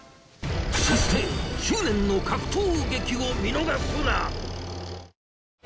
そして執念の格闘劇を見逃すな！